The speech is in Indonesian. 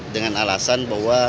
dengan alasan bahwa